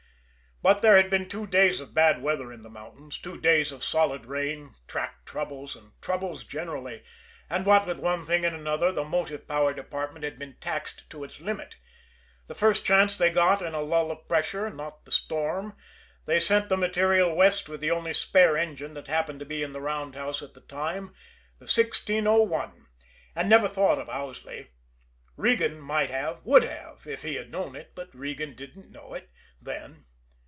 But there had been two days of bad weather in the mountains, two days of solid rain, track troubles, and troubles generally, and what with one thing and another, the motive power department had been taxed to its limit. The first chance they got in a lull of pressure, not the storm, they sent the material west with the only spare engine that happened to be in the roundhouse at the time the 1601 and never thought of Owsley. Regan might have, would have, if he had known it; but Regan didn't know it then.